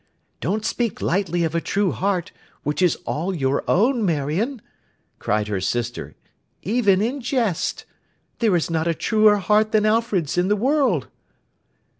Don't speak lightly of a true heart, which is all your own, Marion,' cried her sister, 'even in jest. There is not a truer heart than Alfred's in the world!